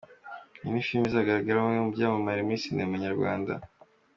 Iyi ni filime izagaragaramo bamwe mu byamamare muri Cinema Nyarwanda.